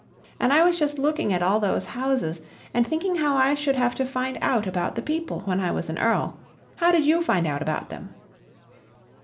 And I was just looking at all those houses, and thinking how I should have to find out about the people, when I was an earl. How did you find out about them?"